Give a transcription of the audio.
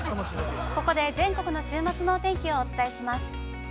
◆ここで全国の週末のお天気をお伝えします。